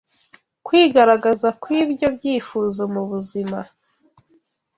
Kwigaragaza kw’ibyo byifuzo mu buzima